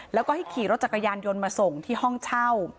แล้วก็ให้ขี่รถจักรยานยนต์มาส่งที่ห้องเช่า